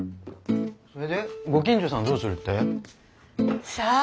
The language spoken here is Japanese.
それでご近所さんどうするって？さあ。